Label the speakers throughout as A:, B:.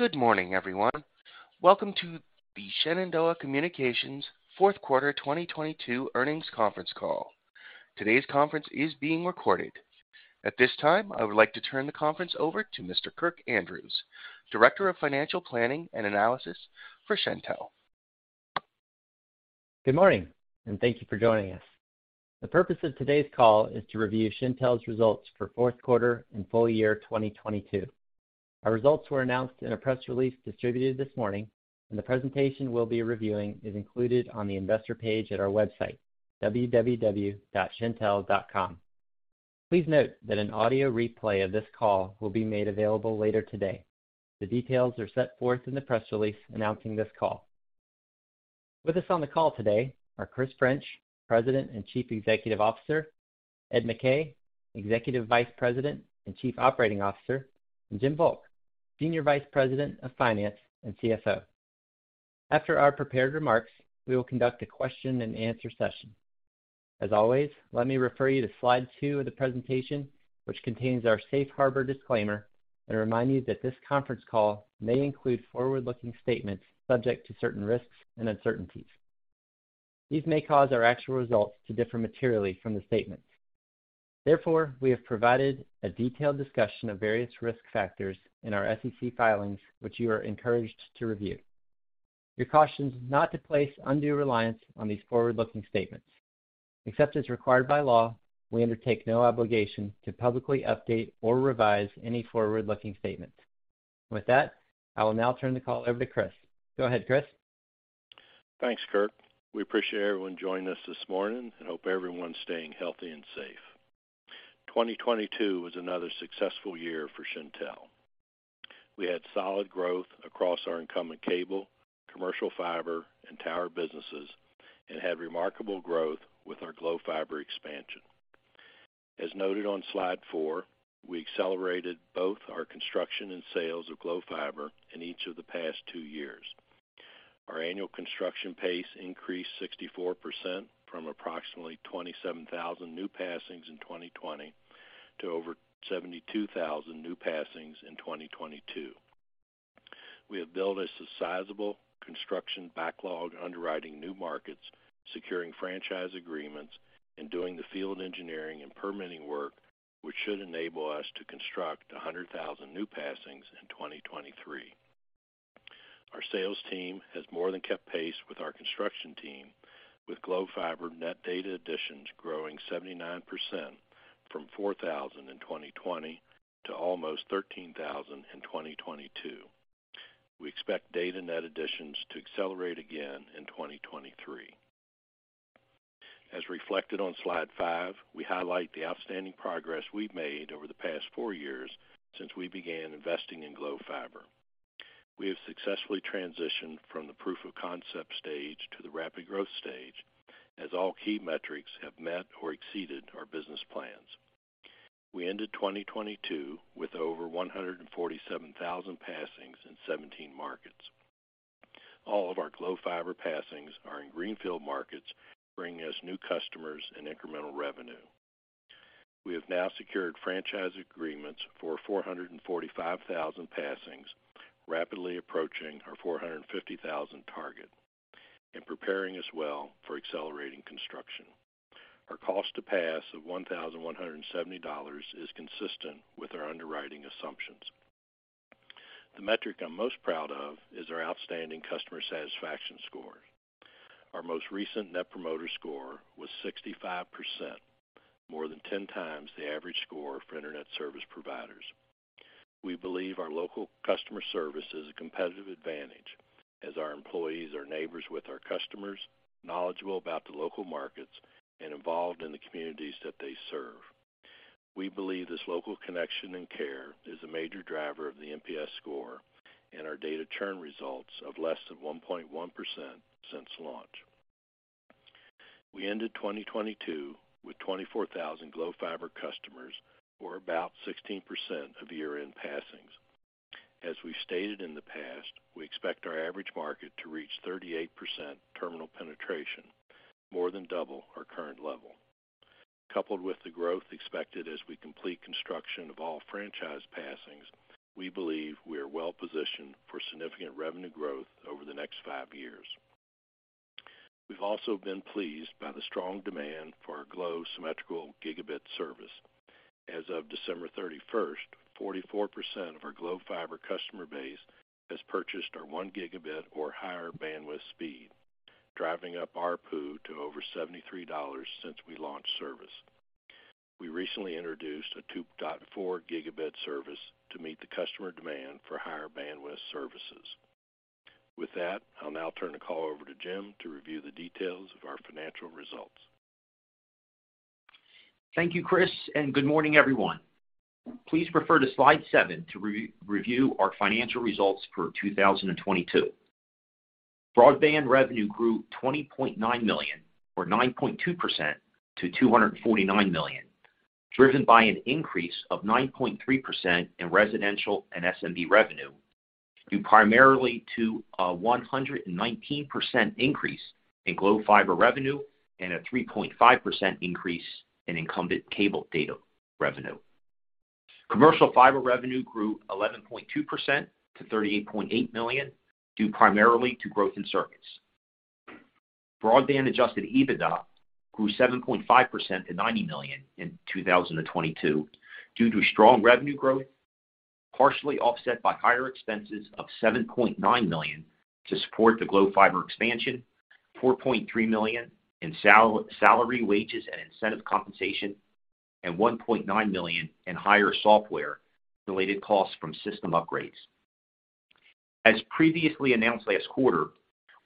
A: Good morning, everyone. Welcome to the Shenandoah Telecommunications Company fourth quarter 2022 earnings conference call. Today's conference is being recorded. At this time, I would like to turn the conference over to Mr. Kirk Andrews, Director of Financial Planning and Analysis for Shentel.
B: Good morning, and thank you for joining us. The purpose of today's call is to review Shentel's results for fourth quarter and full year 2022. Our results were announced in a press release distributed this morning, and the presentation we'll be reviewing is included on the investor page at our website, www.shentel.com. Please note that an audio replay of this call will be made available later today. The details are set forth in the press release announcing this call. With us on the call today are Chris French, President and Chief Executive Officer, Ed McKay, Executive Vice President and Chief Operating Officer, and Jim Volk, Senior Vice President of Finance and CFO. After our prepared remarks, we will conduct a question and answer session. As always, let me refer you to slide two of the presentation, which contains our safe harbor disclaimer, and remind you that this conference call may include forward-looking statements subject to certain risks and uncertainties. These may cause our actual results to differ materially from the statement. Therefore, we have provided a detailed discussion of various risk factors in our SEC filings, which you are encouraged to review. You're cautioned not to place undue reliance on these forward-looking statements. Except as required by law, we undertake no obligation to publicly update or revise any forward-looking statement. With that, I will now turn the call over to Chris. Go ahead, Chris.
C: Thanks, Kirk. We appreciate everyone joining us this morning and hope everyone's staying healthy and safe. 2022 was another successful year for Shentel. We had solid growth across our incumbent cable, commercial fiber, and tower businesses and had remarkable growth with our Glo Fiber expansion. As noted on slide four, we accelerated both our construction and sales of Glo Fiber in each of the past two years. Our annual construction pace increased 64% from approximately 27,000 new passings in 2020 to over 72,000 new passings in 2022. We have built us a sizable construction backlog underwriting new markets, securing franchise agreements, and doing the field engineering and permitting work, which should enable us to construct 100,000 new passings in 2023. Our sales team has more than kept pace with our construction team, with Glo Fiber net data additions growing 79% from 4,000 in 2020 to almost 13,000 in 2022. We expect data net additions to accelerate again in 2023. As reflected on slide five, we highlight the outstanding progress we've made over the past four years since we began investing in Glo Fiber. We have successfully transitioned from the proof of concept stage to the rapid growth stage as all key metrics have met or exceeded our business plans. We ended 2022 with over 147,000 passings in 17 markets. All of our Glo Fiber passings are in greenfield markets, bringing us new customers and incremental revenue. We have now secured franchise agreements for 445,000 passings, rapidly approaching our 450,000 target and preparing as well for accelerating construction. Our cost to pass of $1,170 is consistent with our underwriting assumptions. The metric I'm most proud of is our outstanding customer satisfaction scores. Our most recent Net Promoter Score was 65%, more than 10x the average score for Internet service providers. We believe our local customer service is a competitive advantage as our employees are neighbors with our customers, knowledgeable about the local markets, and involved in the communities that they serve. We believe this local connection and care is a major driver of the NPS score and our data churn results of less than 1.1% since launch. We ended 2022 with 24,000 Glo Fiber customers, or about 16% of year-end passings. As we've stated in the past, we expect our average market to reach 38% terminal penetration, more than double our current level. Coupled with the growth expected as we complete construction of all franchise passings, we believe we are well positioned for significant revenue growth over the next 5 years. We've also been pleased by the strong demand for our Glo symmetrical gigabit service. As of December 31st, 44% of our Glo Fiber customer base has purchased our 1 Gb or higher bandwidth speed, driving up ARPU to over $73 since we launched service. We recently introduced a 2.4 Gb service to meet the customer demand for higher bandwidth services. With that, I'll now turn the call over to Jim to review the details of our financial results.
D: Thank you, Chris, and good morning, everyone. Please refer to slide seven to re-review our financial results for 2022. Broadband revenue grew $20.9 million, or 9.2% to $249 million, driven by an increase of 9.3% in residential and SMB revenue, due primarily to a 119% increase in Glo Fiber revenue and a 3.5% increase in incumbent cable data revenue. Commercial fiber revenue grew 11.2% to $38.8 million, due primarily to growth in circuits. Broadband adjusted EBITDA grew 7.5% to $90 million in 2022 due to strong revenue growth, partially offset by higher expenses of $7.9 million to support the Glo Fiber expansion, $4.3 million in salary, wages, and incentive compensation, and $1.9 million in higher software-related costs from system upgrades. As previously announced last quarter,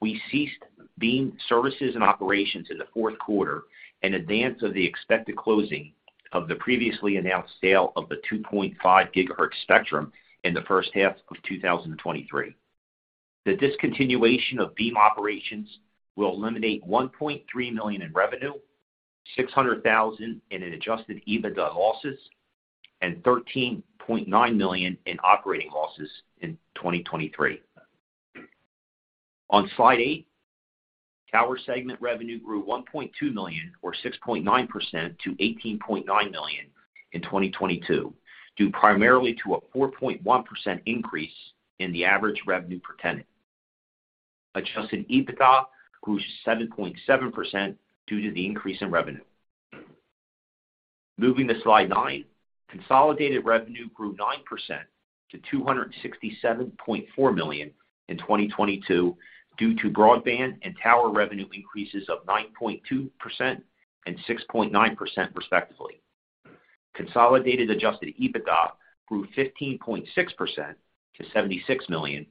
D: we ceased Beam services and operations in the fourth quarter in advance of the expected closing of the previously announced sale of the 2.5 GHz spectrum in the first half of 2023. The discontinuation of Beam operations will eliminate $1.3 million in revenue, $600,000 in adjusted EBITDA losses, and $13.9 million in operating losses in 2023. On slide eight, tower segment revenue grew $1.2 million, or 6.9% to $18.9 million in 2022, due primarily to a 4.1% increase in the average revenue per tenant. Adjusted EBITDA grew 7.7% due to the increase in revenue. Moving to slide nine. Consolidated revenue grew 9% to $267.4 million in 2022 due to broadband and tower revenue increases of 9.2% and 6.9% respectively. Consolidated adjusted EBITDA grew 15.6% to $76 million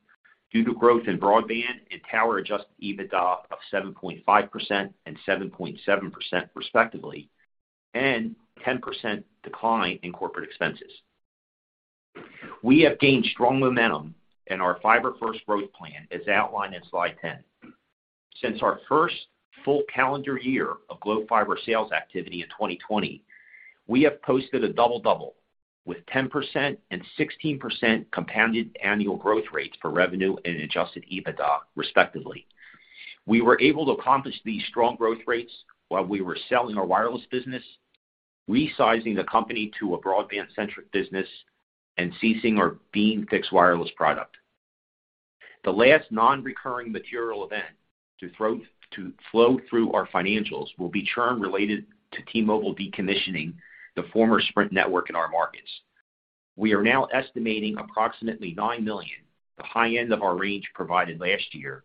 D: due to growth in broadband and tower adjusted EBITDA of 7.5% and 7.7% respectively, and 10% decline in corporate expenses. We have gained strong momentum in our fiber-first growth plan, as outlined in slide 10. Since our first full calendar year of Glo Fiber sales activity in 2020, we have posted a double-double with 10% and 16% compounded annual growth rates for revenue and adjusted EBITDA, respectively. We were able to accomplish these strong growth rates while we were selling our wireless business, resizing the company to a broadband-centric business, and ceasing our Beam fixed wireless product. The last non-recurring material event to flow through our financials will be churn related to T-Mobile decommissioning the former Sprint network in our markets. We are now estimating approximately $9 million, the high end of our range provided last year,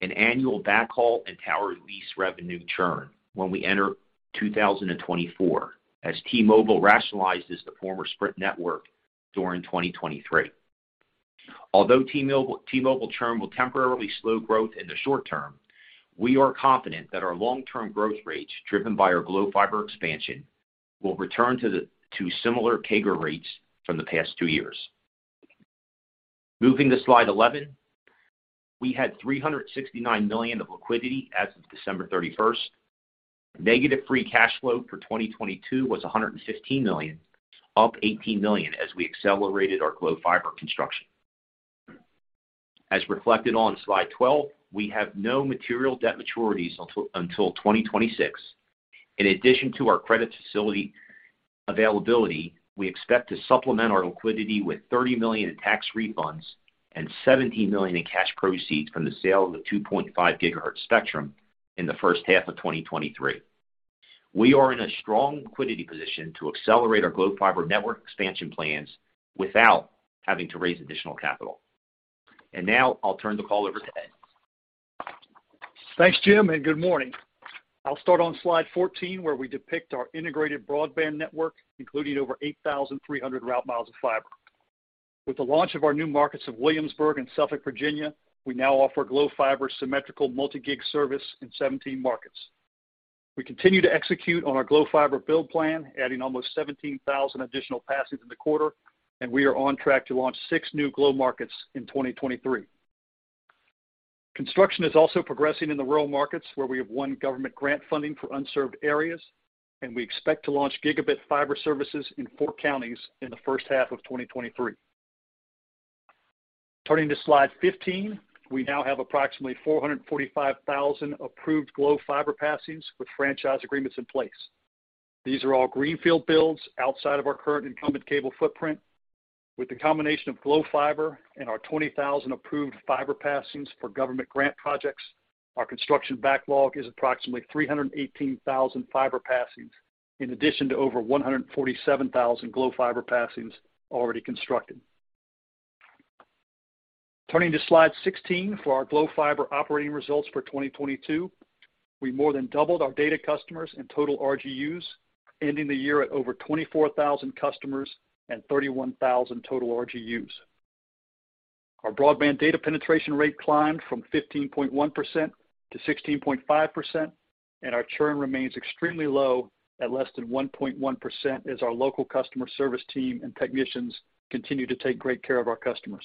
D: in annual backhaul and tower lease revenue churn when we enter 2024 as T-Mobile rationalizes the former Sprint network during 2023. Although T-Mobile churn will temporarily slow growth in the short term, we are confident that our long-term growth rates, driven by our Glo Fiber expansion, will return to similar CAGR rates from the past two years. Moving to Slide 11. We had $369 million of liquidity as of December 31st. Negative free cash flow for 2022 was $115 million, up $18 million as we accelerated our Glo Fiber construction. As reflected on Slide 12, we have no material debt maturities until 2026. In addition to our credit facility availability, we expect to supplement our liquidity with $30 million in tax refunds and $17 million in cash proceeds from the sale of the 2.5 GHz spectrum in the first half of 2023. We are in a strong liquidity position to accelerate our Glo Fiber network expansion plans without having to raise additional capital. Now I'll turn the call over to Ed.
E: Thanks, Jim. Good morning. I'll start on slide 14, where we depict our integrated broadband network, including over 8,300 route miles of fiber. With the launch of our new markets of Williamsburg and Suffolk, Virginia, we now offer Glo Fiber symmetrical multi-gig service in 17 markets. We continue to execute on our Glo Fiber build plan, adding almost 17,000 additional passings in the quarter, and we are on track to launch 6 new Glo markets in 2023. Construction is also progressing in the rural markets, where we have won government grant funding for unserved areas, and we expect to launch gigabit fiber services in four counties in the first half of 2023. Turning to slide 15. We now have approximately 445,000 approved Glo Fiber passings with franchise agreements in place. These are all greenfield builds outside of our current incumbent cable footprint. With the combination of Glo Fiber and our 20,000 approved fiber passings for government grant projects, our construction backlog is approximately 318,000 fiber passings, in addition to over 147,000 Glo Fiber passings already constructed. Turning to slide 16 for our Glo Fiber operating results for 2022. We more than doubled our data customers and total RGUs, ending the year at over 24,000 customers and 31,000 total RGUs. Our broadband data penetration rate climbed from 15.1% to 16.5%, and our churn remains extremely low at less than 1.1% as our local customer service team and technicians continue to take great care of our customers.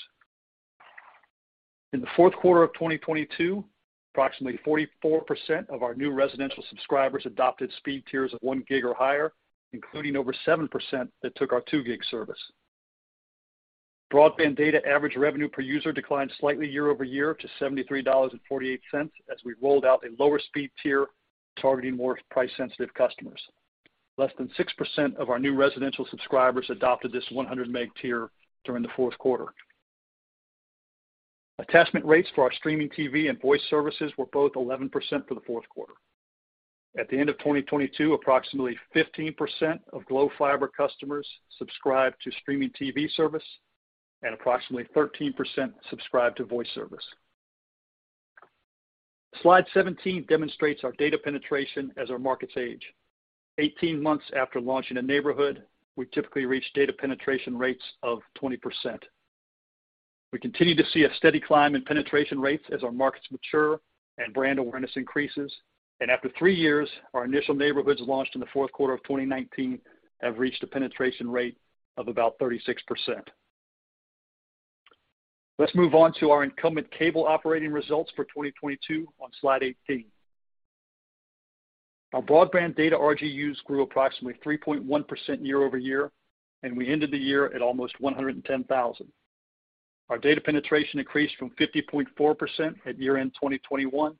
E: In the fourth quarter of 2022, approximately 44% of our new residential subscribers adopted speed tiers of 1 gig or higher, including over 7% that took our 2 gig service. Broadband data average revenue per user declined slightly year-over-year to $73.48 as we rolled out a lower speed tier targeting more price sensitive customers. Less than 6% of our new residential subscribers adopted this 100 Meg tier during the fourth quarter. Attachment rates for our streaming TV and voice services were both 11% for the fourth quarter. At the end of 2022, approximately 15% of Glo Fiber customers subscribed to streaming TV service and approximately 13% subscribed to voice service. Slide 17 demonstrates our data penetration as our markets age. Eighteen months after launching a neighborhood, we typically reach data penetration rates of 20%. We continue to see a steady climb in penetration rates as our markets mature and brand awareness increases. After three years, our initial neighborhoods launched in the fourth quarter of 2019 have reached a penetration rate of about 36%. Let's move on to our incumbent cable operating results for 2022 on slide 18. Our broadband data RGUs grew approximately 3.1% year-over-year, and we ended the year at almost 110,000. Our data penetration increased from 50.4% at year-end 2021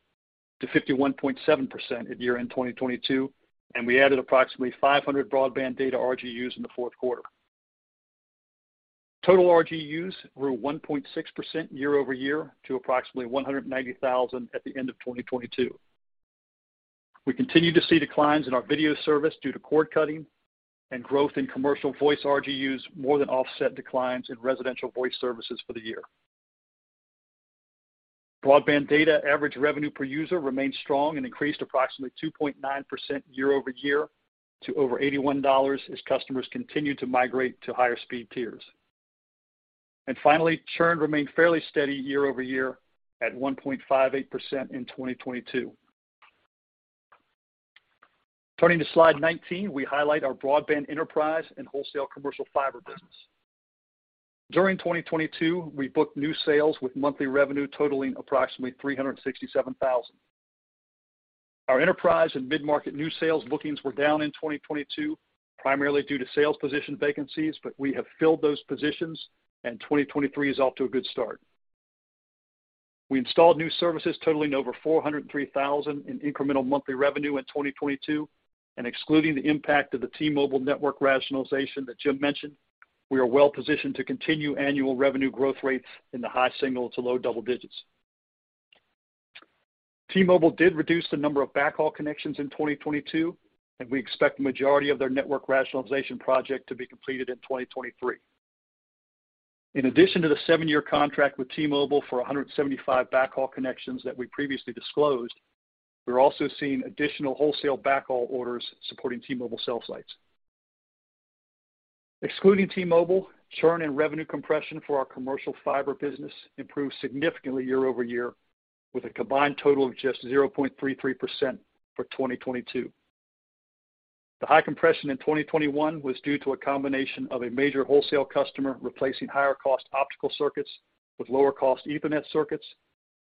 E: to 51.7% at year-end 2022, and we added approximately 500 broadband data RGUs in the fourth quarter. Total RGUs grew 1.6% year-over-year to approximately 190,000 at the end of 2022. We continue to see declines in our video service due to cord cutting and growth in commercial voice RGUs more than offset declines in residential voice services for the year. Broadband data average revenue per user remains strong and increased approximately 2.9% year-over-year to over $81 as customers continue to migrate to higher speed tiers. Finally, churn remained fairly steady year-over-year at 1.58% in 2022. Turning to slide 19, we highlight our broadband enterprise and wholesale commercial fiber business. During 2022, we booked new sales with monthly revenue totaling approximately $367,000. Our enterprise and mid-market new sales bookings were down in 2022, primarily due to sales position vacancies, but we have filled those positions and 2023 is off to a good start. We installed new services totaling over $403,000 in incremental monthly revenue in 2022. Excluding the impact of the T-Mobile network rationalization that Jim mentioned, we are well positioned to continue annual revenue growth rates in the high single to low double digits. T-Mobile did reduce the number of backhaul connections in 2022. We expect the majority of their network rationalization project to be completed in 2023. In addition to the seven-year contract with T-Mobile for 175 backhaul connections that we previously disclosed, we're also seeing additional wholesale backhaul orders supporting T-Mobile cell sites. Excluding T-Mobile, churn and revenue compression for our commercial fiber business improved significantly year-over-year with a combined total of just 0.33% for 2022. The high compression in 2021 was due to a combination of a major wholesale customer replacing higher cost optical circuits with lower cost Ethernet circuits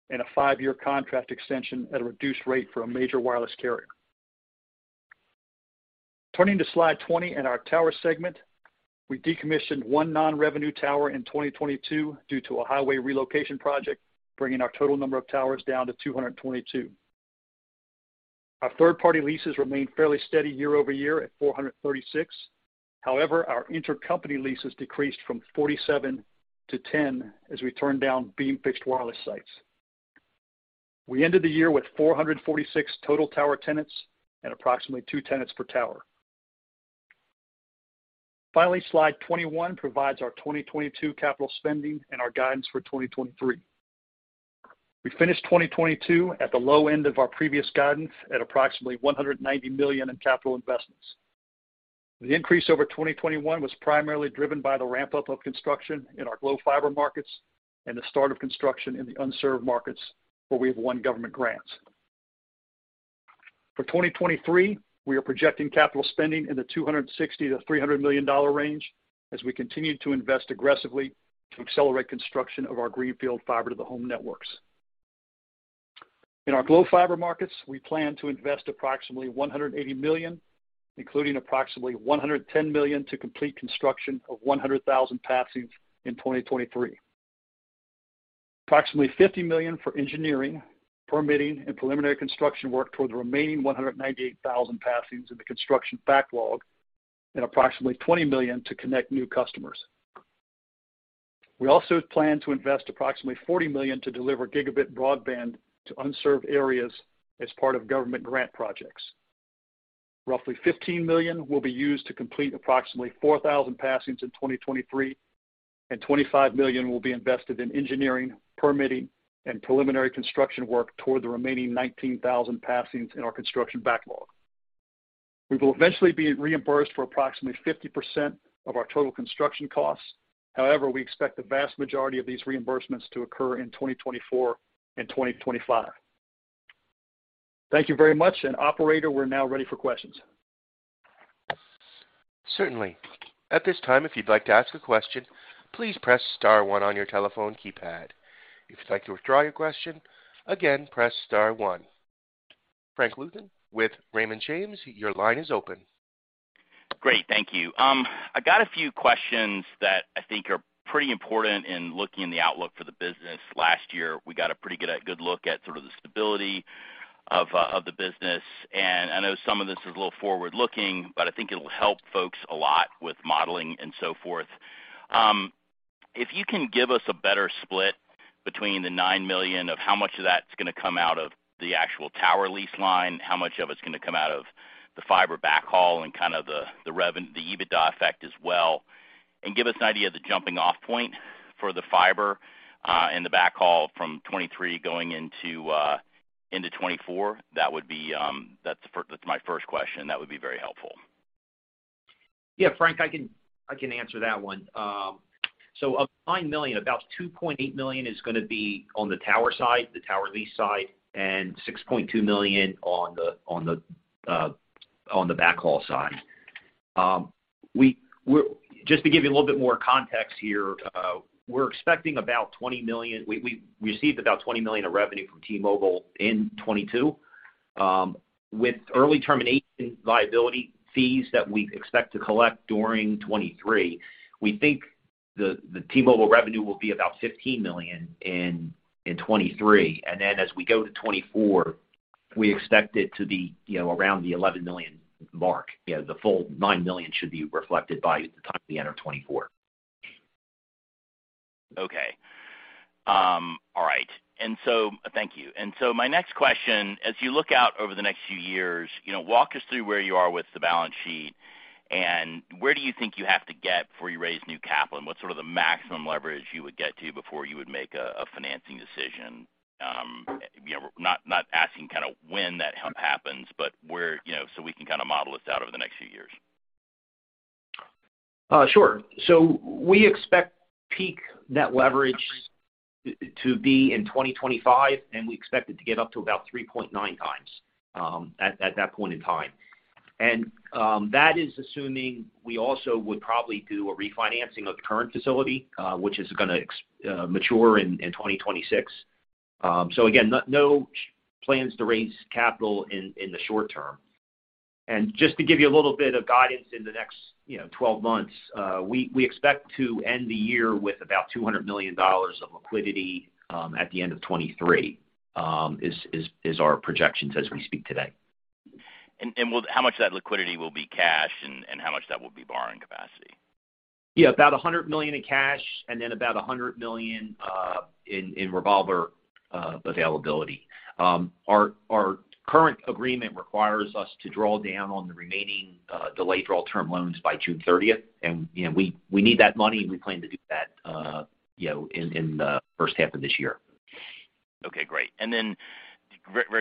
E: and a five-year contract extension at a reduced rate for a major wireless carrier. Turning to slide 20 in our tower segment. We decommissioned one non-revenue tower in 2022 due to a highway relocation project, bringing our total number of towers down to 222. Our third-party leases remained fairly steady year-over-year at 436. However, our intercompany leases decreased from 47 to 10 as we turned down Beam fixed wireless sites. We ended the year with 446 total tower tenants and approximately two tenants per tower. Finally, slide 21 provides our 2022 capital spending and our guidance for 2023. We finished 2022 at the low end of our previous guidance at approximately $190 million in capital investments. The increase over 2021 was primarily driven by the ramp-up of construction in our Glo Fiber markets and the start of construction in the unserved markets where we have won government grants. 2023, we are projecting capital spending in the $260 million-$300 million range as we continue to invest aggressively to accelerate construction of our greenfield fiber-to-the-home networks. Our Glo Fiber markets, we plan to invest approximately $180 million, including approximately $110 million to complete construction of 100,000 passings in 2023. Approximately $50 million for engineering, permitting, and preliminary construction work toward the remaining 198,000 passings in the construction backlog and approximately $20 million to connect new customers. We also plan to invest approximately $40 million to deliver gigabit broadband to unserved areas as part of government grant projects. Roughly $15 million will be used to complete approximately 4,000 passings in 2023, and $25 million will be invested in engineering, permitting, and preliminary construction work toward the remaining 19,000 passings in our construction backlog. We will eventually be reimbursed for approximately 50% of our total construction costs. However, we expect the vast majority of these reimbursements to occur in 2024 and 2025. Thank you very much. Operator, we're now ready for questions.
A: Certainly. At this time, if you'd like to ask a question, please press star one on your telephone keypad. If you'd like to withdraw your question, again, press star one. Frank Louthan with Raymond James, your line is open.
F: Great. Thank you. I got a few questions that I think are pretty important in looking in the outlook for the business. Last year, we got a pretty good look at sort of the stability of the business, and I know some of this is a little forward-looking, but I think it'll help folks a lot with modeling and so forth. If you can give us a better split between the $9 million of how much of that's gonna come out of the actual tower lease line, how much of it's gonna come out of the fiber backhaul and kind of the EBITDA effect as well, and give us an idea of the jumping off point for the fiber and the backhaul from 2023 going into 2024. That would be, that's my first question. That would be very helpful.
D: Yeah, Frank, I can answer that one of $9 million, about $2.8 million is gonna be on the tower side, the tower lease side, and $6.2 million on the backhaul side. We're Just to give you a little bit more context here, we're expecting about $20 million. We received about $20 million of revenue from T-Mobile in 2022. With early termination liability fees that we expect to collect during 2023, we think the T-Mobile revenue will be about $15 million in 2023. As we go to 2024, we expect it to be, you know, around the $11 million mark. You know, the full $9 million should be reflected by the time we enter 2024.
F: Okay. All right. Thank you. My next question, as you look out over the next few years, you know, walk us through where you are with the balance sheet, and where do you think you have to get before you raise new capital, and what's sort of the maximum leverage you would get to before you would make a financing decision? You know, not asking kinda when that happens, but where, you know, so we can kinda model this out over the next few years.
D: Sure. We expect peak net leverage to be in 2025, and we expect it to get up to about 3.9 times at that point in time. That is assuming we also would probably do a refinancing of the current facility, which is going to mature in 2026. Again, no plans to raise capital in the short term. Just to give you a little bit of guidance in the next, you know, 12 months, we expect to end the year with about $200 million of liquidity at the end of 2023, is our projections as we speak today.
F: How much of that liquidity will be cash and how much of that will be borrowing capacity?
D: Yeah, about $100 million in cash and then about $100 million in revolver availability. Our current agreement requires us to draw down on the remaining delayed draw term loans by June 30th. You know, we need that money, and we plan to do that, you know, in the first half of this year.
F: Okay, great. Very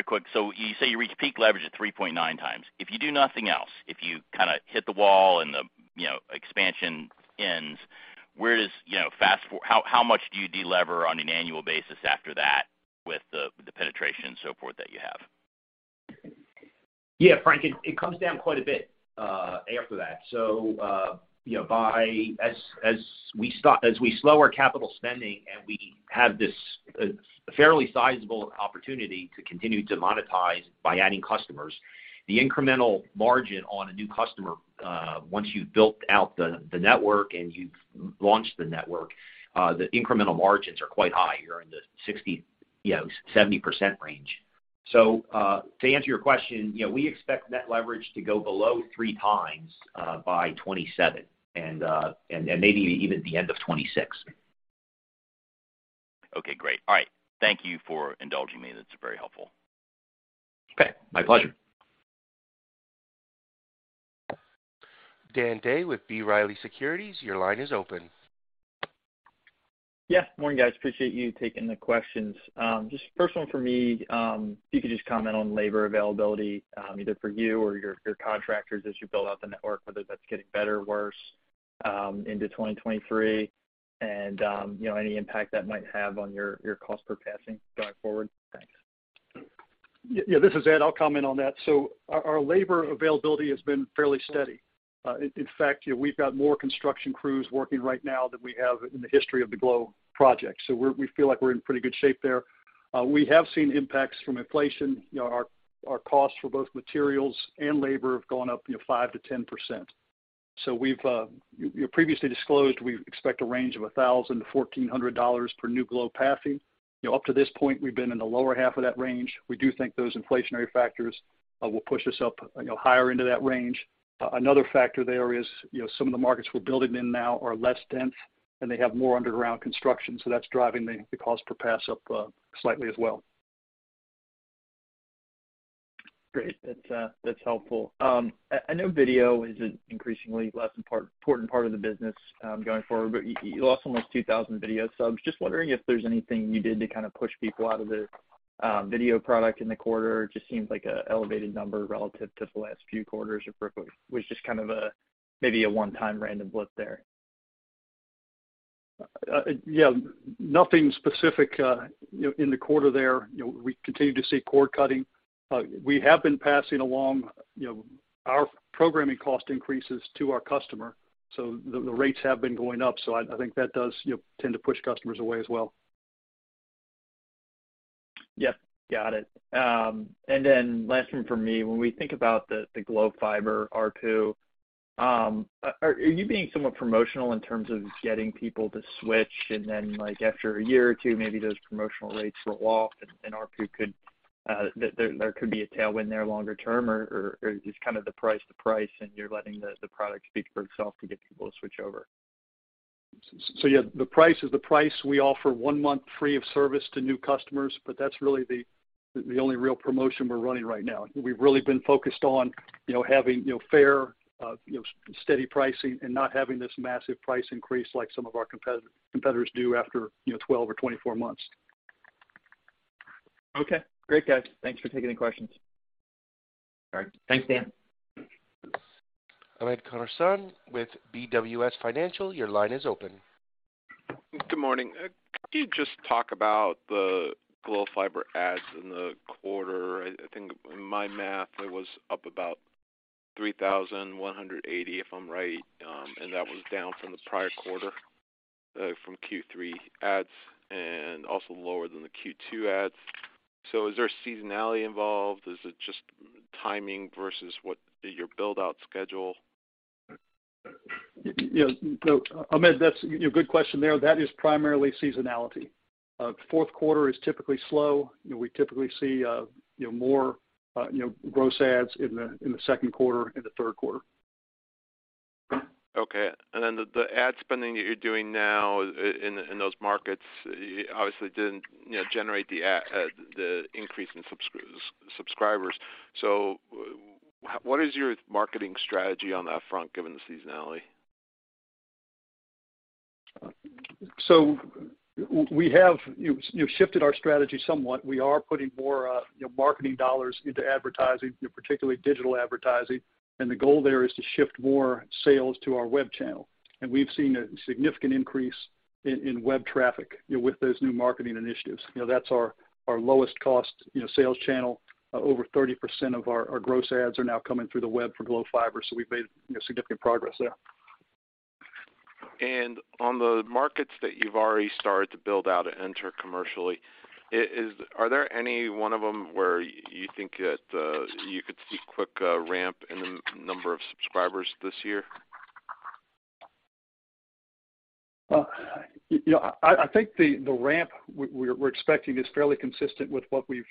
F: quick. You say you reach peak leverage at 3.9x. If you do nothing else, if you kinda hit the wall and the, you know, expansion ends, where does, you know, how much do you de-lever on an annual basis after that with the penetration and so forth that you have?
D: Yeah, Frank, it comes down quite a bit after that. You know, as we slow our capital spending and we have this fairly sizable opportunity to continue to monetize by adding customers, the incremental margin on a new customer, once you've built out the network and you've launched the network, the incremental margins are quite high. You're in the 60%-70% range. To answer your question, you know, we expect net leverage to go below 3x by 2027 and maybe even at the end of 2026.
F: Okay, great. All right. Thank you for indulging me. That's very helpful.
D: Okay. My pleasure.
A: Dan Day with B. Riley Securities, your line is open.
G: Yeah. Morning, guys. Appreciate you taking the questions. Just first one for me, if you could just comment on labor availability, either for you or your contractors as you build out the network, whether that's getting better or worse, into 2023. You know, any impact that might have on your cost per passing going forward. Thanks.
E: Yeah, this is Ed. I'll comment on that. Our labor availability has been fairly steady. In fact, you know, we've got more construction crews working right now than we have in the history of the Glo project. We feel like we're in pretty good shape there. We have seen impacts from inflation. You know, our costs for both materials and labor have gone up, you know, 5%-10%. We've you previously disclosed we expect a range of $1,000-$1,400 for new Glo passing. You know, up to this point, we've been in the lower half of that range. We do think those inflationary factors will push us up, you know, higher into that range. Another factor there is, you know, some of the markets we're building in now are less dense, and they have more underground construction, so that's driving the cost per pass up slightly as well.
G: Great. That's helpful. I know video is an increasingly less important part of the business, going forward, but you lost almost 2,000 video subs. Just wondering if there's anything you did to kind of push people out of the video product in the quarter. It just seems like a elevated number relative to the last few quarters, or if it was just kind of a, maybe a one-time random blip there.
E: Yeah, nothing specific, you know, in the quarter there. You know, we continue to see cord cutting. We have been passing along, you know, our programming cost increases to our customer, so the rates have been going up. I think that does, you know, tend to push customers away as well.
G: Yes. Got it. Last one for me. When we think about the Glo Fiber ARPU, are you being somewhat promotional in terms of getting people to switch and then like after a year or two, maybe those promotional rates roll off and ARPU could be a tailwind there longer term or is kind of the price, and you're letting the product speak for itself to get people to switch over?
E: Yeah, the price is the price. We offer one month free of service to new customers, but that's really the only real promotion we're running right now. We've really been focused on, you know, having, you know, fair, steady pricing and not having this massive price increase like some of our competitors do after, you know, 12 or 24 months.
G: Okay. Great, guys. Thanks for taking the questions.
D: All right. Thanks, Dan.
A: Hamed Khorsand with BWS Financial, your line is open.
H: Good morning. Could you just talk about the Glo Fiber adds in the quarter? I think in my math, it was up about 3,180, if I'm right, and that was down from the prior quarter, from Q3 adds and also lower than the Q2 adds. Is there seasonality involved? Is it just timing versus what your build-out schedule?
E: You know, Hamed, you know, good question there. That is primarily seasonality. fourth quarter is typically slow. You know, we typically see, you know, more, you know, gross adds in the, in the second quarter and the third quarter.
H: Okay. The ad spending that you're doing now in those markets, obviously didn't, you know, generate the increase in subscribers. What is your marketing strategy on that front given the seasonality?
E: We have, you know, shifted our strategy somewhat. We are putting more, you know, marketing dollars into advertising, you know, particularly digital advertising. The goal there is to shift more sales to our web channel. We've seen a significant increase in web traffic, you know, with those new marketing initiatives. You know, that's our lowest cost, you know, sales channel. Over 30% of our gross adds are now coming through the web for Glo Fiber. We've made, you know, significant progress there.
H: On the markets that you've already started to build out and enter commercially, are there any one of them where you think that, you could see quick, ramp in the number of subscribers this year?
E: You know, I think the ramp we're expecting is fairly consistent with what we've,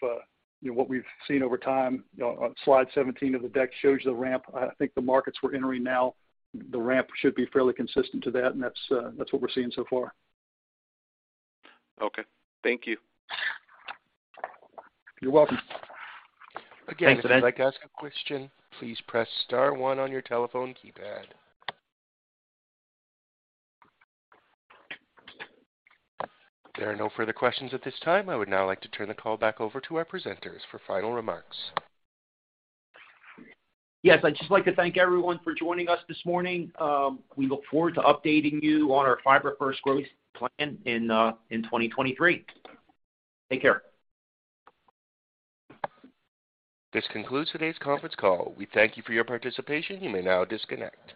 E: you know, what we've seen over time. You know, slide 17 of the deck shows the ramp. I think the markets we're entering now, the ramp should be fairly consistent to that's what we're seeing so far.
H: Okay. Thank you.
E: You're welcome.
A: Thanks, Hamed. Again, if you'd like to ask a question, please press star one on your telephone keypad. There are no further questions at this time. I would now like to turn the call back over to our presenters for final remarks.
D: Yes, I'd just like to thank everyone for joining us this morning. We look forward to updating you on our fiber-first growth plan in 2023. Take care.
A: This concludes today's conference call. We thank you for your participation. You may now disconnect.